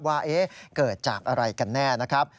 ว่าเกิดจากอะไรกันแน่นะครับ